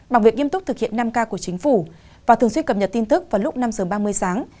bằng việc nghiêm túc thực hiện năm k của chính phủ và thường xuyên cập nhật tin tức vào lúc năm giờ ba mươi sáng